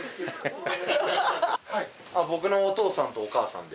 僕のお父さんとお母さんで。